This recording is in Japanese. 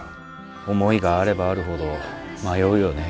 思いがあればあるほど迷うよね。